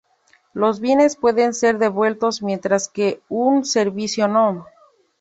Los bienes pueden ser devueltos mientras que un servicio no.